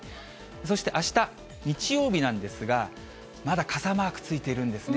そしてあした日曜日なんですが、まだ傘マークついているんですね。